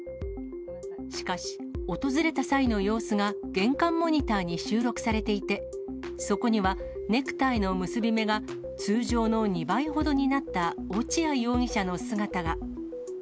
しかし、訪れた際の様子が玄関モニターに収録されていて、そこには、ネクタイの結び目が通常の２倍ほどになった落合容疑者の姿が。